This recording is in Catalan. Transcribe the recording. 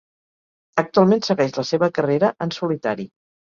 Actualment segueix la seva carrera en solitari.